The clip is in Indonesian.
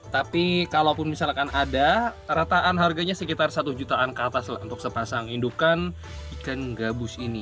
tapi kalaupun misalkan ada rataan harganya sekitar satu jutaan ke atas untuk sepasang indukan ikan gabus ini